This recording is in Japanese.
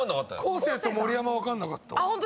昴生と盛山分かんなかった。